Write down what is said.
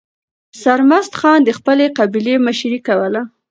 سرمست خان د خپلې قبیلې مشري کوله.